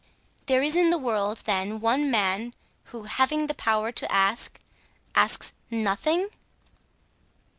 "There is in the world, then, one man who, having the power to ask, asks—nothing!"